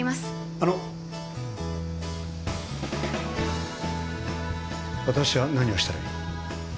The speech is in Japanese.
あの私は何をしたらいい？